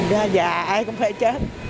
thật ra già ai cũng phải chết